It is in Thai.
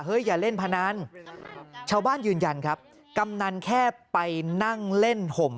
อย่าเล่นพนันชาวบ้านยืนยันครับกำนันแค่ไปนั่งเล่นห่ม